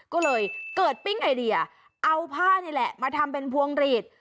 ก็เลยเกิดปิ้งไอเดียเอาผ้านี่แหละมาทำเป็นพวงหลีด